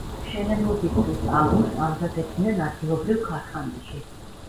მშენებლობისთვის აგურს ამზადებდნენ ადგილობრივ ქარხანაში.